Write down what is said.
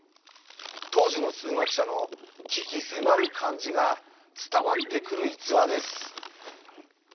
当時の数学者の鬼気迫る感じが伝わってくる逸話です。